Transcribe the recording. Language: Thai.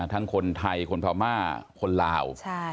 ทั้งคนไทยคนพม่าคนลาว